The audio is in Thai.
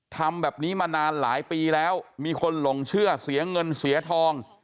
ทำแบบนี้มานานหลายปีแล้วมีคนหลงเชื่อเสียเงินเสียทอง